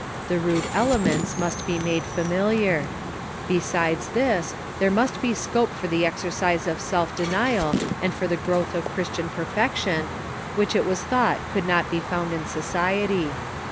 The rude elements must be made familiar. Besides this, there must be scope for the exercise of self denial and for the growth of Christian perfection, which it was thought could not be found in society.